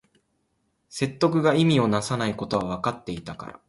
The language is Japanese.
説得が意味をなさないことはわかっていたから